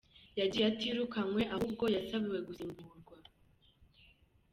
yabwiye atirukanywe ahubwo yasabiwe gusimburwa.